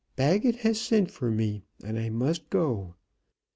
Baggett has sent for me, and I must go.